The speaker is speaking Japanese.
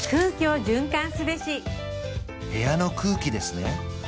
部屋の空気ですね